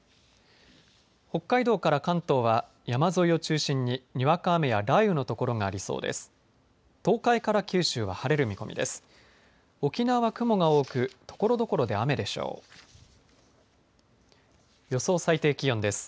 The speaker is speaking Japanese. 北海道から関東は山沿いを中心に、にわか雨や雷雨の所がありそうです。